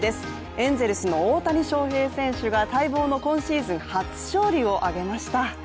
エンゼルスの大谷翔平選手が待望の今シーズン初勝利を挙げました。